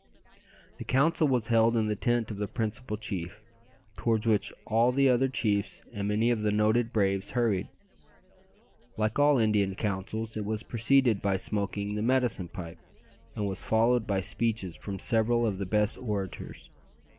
The council was held in the tent of the principal chief, towards which all the other chiefs and many of the noted braves hurried. Like all Indian councils, it was preceded by smoking the "medicine pipe," and was followed by speeches from several of the best orators.